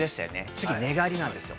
次は寝返りなんですよ。